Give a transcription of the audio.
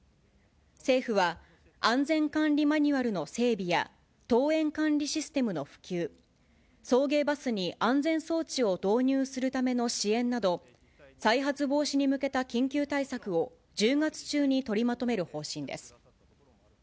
政府は、安全管理マニュアルの整備や、登園管理システムの普及、送迎バスに安全装置を導入するための支援など、再発防止に向けた緊急対策を１０月中に取りまとめる方針です。